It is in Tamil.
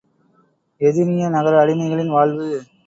எதினிய நகர அடிமைகளின் வாழ்வு...